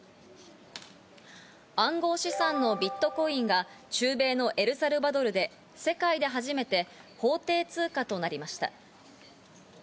暗号資産のビットコインが中米のエルサルバドルで世界で初めて、法定通貨となりました。